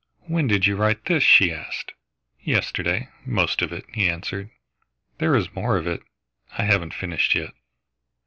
"When did you write this?" she asked. "Yesterday, most of it," he answered. "There is more of it I haven't finished yet.